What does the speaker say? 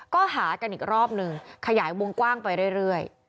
ก็หากันอีกรอบหนึ่งขยายวงกว้างไปเรื่อย